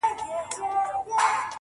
صابره! څوک د چا بلا څۀ کوي